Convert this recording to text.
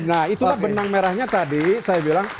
nah itulah benang merahnya tadi saya bilang